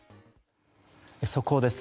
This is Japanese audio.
速報です。